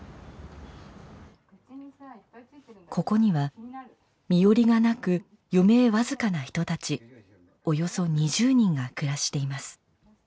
ここには身寄りがなく余命僅かな人たちおよそ２０人が暮らしています。